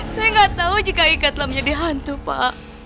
saya gak tahu jika ika telah menjadi hantu pak